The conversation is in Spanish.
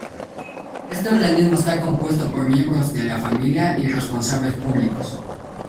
Este organismo está compuesto por miembros de la familia y responsables públicos.